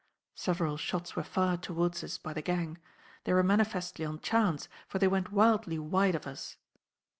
Several shots were fired towards us by the gang; they were manifestly on chance, for they went wildly wide of us.